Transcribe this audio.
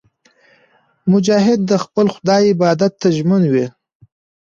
مجاهد د خپل خدای عبادت ته ژمن وي.